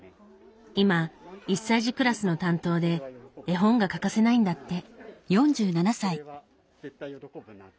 今１歳児クラスの担当で絵本が欠かせないんだって。